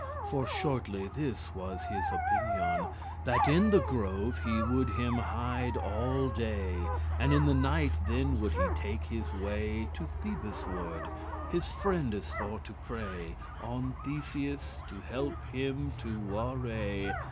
* For shortly this was his opinion, That in the grove he would him hide all day, And in the night then would he take his way To Thebes ward, his friendes for to pray On Theseus to help him to warray*.